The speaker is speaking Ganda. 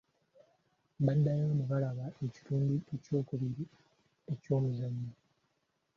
Baddayo ne balaba ekitundu eky'okubiri eky'omuzannyo.